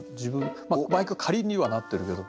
「バイク駆り」にはなってるけど。